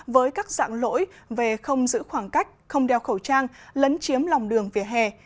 với các dạng lỗi về không giữ khoảng cách không đeo khẩu trang lấn chiếm lòng đường vỉa hè